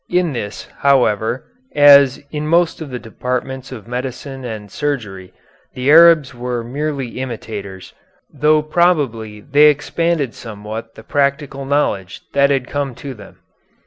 In this, however, as in most of the departments of medicine and surgery, the Arabs were merely imitators, though probably they expanded somewhat the practical knowledge that had come to them.